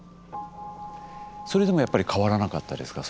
それでもやっぱり変わらなかったですか？